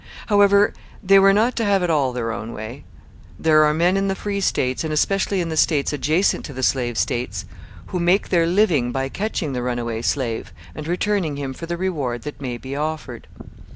However they were not to have it all their own way. There are men in the Free States, and especially in the states adjacent to the Slave States, who make their living by catching the runaway slave, and returning him for the reward that may be offered.